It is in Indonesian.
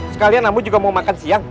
sekalian namun juga mau makan siang